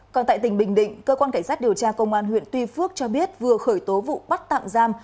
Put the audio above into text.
còn tại tỉnh bình định cơ quan cảnh sát điều tra công an huyện tuy phước cho biết vừa khởi tố vụ bắt tạm giam